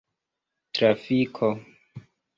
trafiko